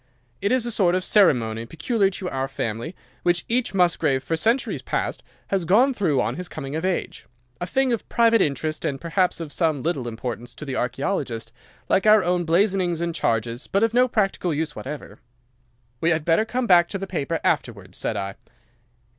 It is a sort of ceremony peculiar to our family, which each Musgrave for centuries past has gone through on his coming of age—a thing of private interest, and perhaps of some little importance to the archaeologist, like our own blazonings and charges, but of no practical use whatever.' "'We had better come back to the paper afterwards,' said I.